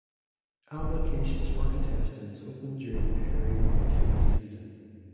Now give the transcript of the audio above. Applications for contestants opened during the airing of the tenth season.